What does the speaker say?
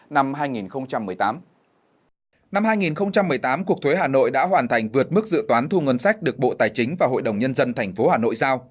năm hai nghìn một mươi tám cuộc thuế hà nội đã hoàn thành vượt mức dự toán thu ngân sách được bộ tài chính và hội đồng nhân dân tp hà nội giao